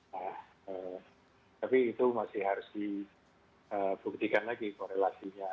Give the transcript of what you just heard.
nah tapi itu masih harus di buktikan lagi korelasinya